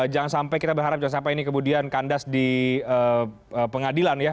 jangan sampai kita berharap jangan sampai ini kemudian kandas di pengadilan ya